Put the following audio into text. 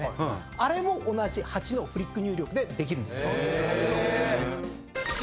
あれも同じ８のフリック入力でできるんです。